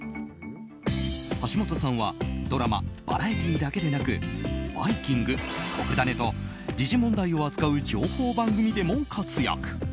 橋本さんはドラマ、バラエティーだけでなく「バイキング」「とくダネ！」と時事問題を扱う情報番組でも活躍。